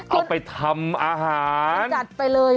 เอาไปทำอาหารจัดไปเลย